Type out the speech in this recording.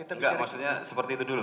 enggak maksudnya seperti itu dulu